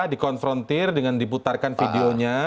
di konfrontir dengan diputarkan videonya